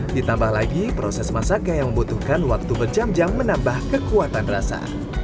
ditambah lagi proses masaknya yang membutuhkan waktu berjam jam menambah kekuatan rasa